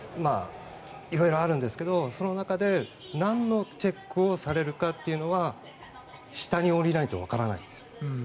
色々あるんですけどその中でなんのチェックをされるかというのは下に降りないとわからないんです。